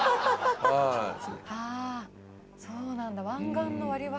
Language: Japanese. あそうなんだ。